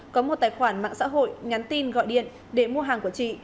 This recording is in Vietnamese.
có một tài khoản mạng xã hội nhắn tin gọi điện để mua hàng của chị